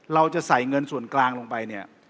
เราจะใส่เงินส่วนกลางลงไปเนี่ย